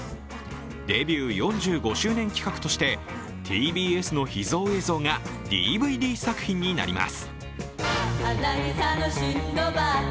デビュー４５周年企画としてＴＢＳの秘蔵映像がＤＶＤ作品になります。